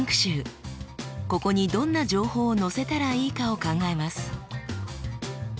ここにどんな情報を載せたらいいかを考えます。